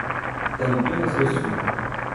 Campinas do Sul